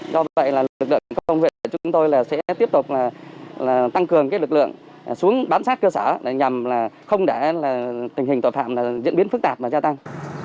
do vậy lực lượng công an huyện chúng tôi sẽ tiếp tục tăng cường lực lượng xuống bán xác cơ sở nhằm không để tình hình tội phạm diễn biến phức tạp và gia tăng